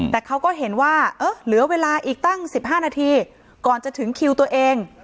แต่เขาก็เห็นว่าเหลือเวลาอีกตั้ง๑๕นาทีก่อนจะถึงคิวตัวเอง